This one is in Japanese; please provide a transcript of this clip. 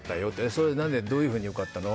それはどういうふうによかったの？